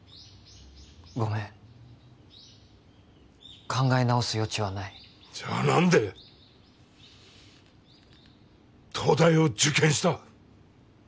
ごめん考え直す余地はないじゃあ何で東大を受験した？